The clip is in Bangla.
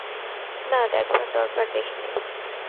না, দেখবার দরকার দেখি নে।